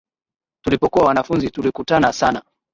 Tulipokuwa wanafunzi tulikutana sana